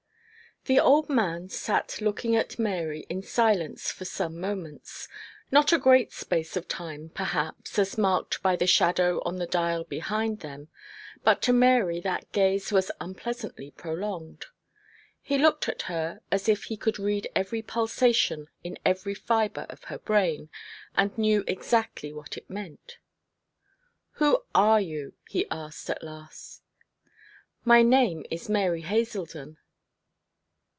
The old man sat looking at Mary in silence for some moments; not a great space of time, perhaps, as marked by the shadow on the dial behind them, but to Mary that gaze was unpleasantly prolonged. He looked at her as if he could read every pulsation in every fibre of her brain, and knew exactly what it meant. 'Who are you?' he asked, at last. 'My name is Mary Haselden.'